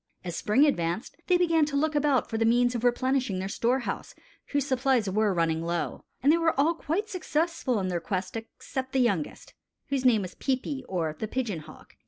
As spring advanced they began to look about for the means of replenishing their storehouse, whose supplies were running low; and they were all quite successful in their quest except the youngest, whose name was Peepi, or the Pigeon Hawk.